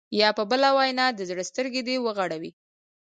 یا په بله وینا د زړه سترګې دې وغړوي.